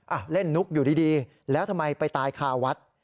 อ่ะเล่นนุ๊กอยู่ดีแล้วทำไมไปตายคาวัด